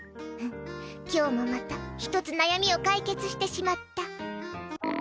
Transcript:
今日もまた１つ悩みを解決してしまった。